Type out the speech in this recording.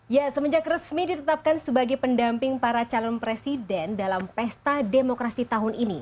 ya semenjak resmi ditetapkan sebagai pendamping para calon presiden dalam pesta demokrasi tahun ini